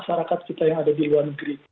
masyarakat kita yang ada di luar negeri